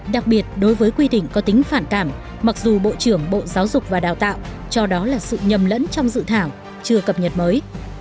đặc biệt đối với quy định có tính phản cảm mặc dù bộ trưởng bộ giáo dục và đào tạo cho đó là sự nhầm lẫn trong dự thảo chưa cập nhật mới